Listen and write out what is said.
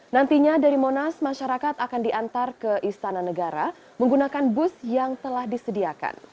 nantinya dari monas masyarakat akan diantar ke istana negara menggunakan bus yang telah disediakan